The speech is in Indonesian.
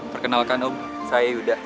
perkenalkan om saya yuda